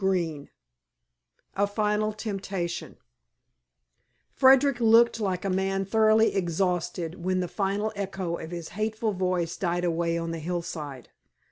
XIV A FINAL TEMPTATION Frederick looked like a man thoroughly exhausted when the final echo of this hateful voice died away on the hillside.